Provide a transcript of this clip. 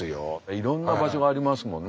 いろんな場所がありますもんね。